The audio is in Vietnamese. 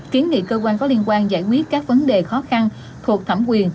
kiến nghị cơ quan có liên quan giải quyết các vấn đề khó khăn thuộc thẩm quyền